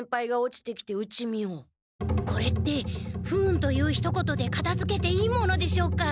これって不運というひと言でかたづけていいものでしょうか？